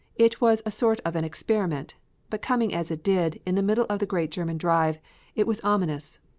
It was a sort of an experiment, but coming as it did, in the middle of the great German Drive, it was ominous.